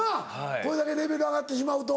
これだけレベル上がってしまうと。